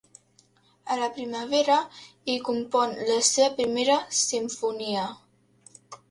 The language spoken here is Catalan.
A la primavera, hi compon la seva primera simfonia.